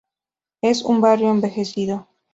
Es un barrio envejecido.